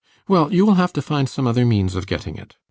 Well, you will have to find some other means of getting it.